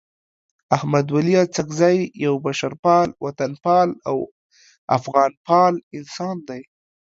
احمد ولي اڅکزی یو بشرپال، وطنپال او افغانپال انسان دی.